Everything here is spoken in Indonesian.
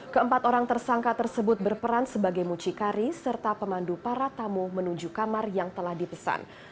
keempat orang tersangka tersebut berperan sebagai mucikari serta pemandu para tamu menuju kamar yang telah dipesan